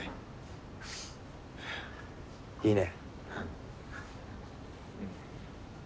いいね。